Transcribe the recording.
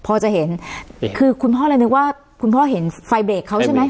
พอจะเห็นคือคุณพ่อเลยนึกว่าคุณพ่อเห็นไฟเบรกเขาใช่ไหม